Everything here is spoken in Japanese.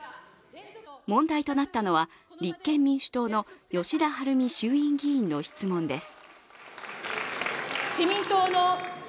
問題となったのは立憲民主党の吉田晴美衆院議員の質問です。